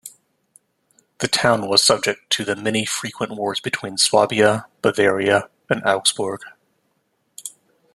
The town was subject to the many frequent wars between Swabia, Bavaria and Augsburg.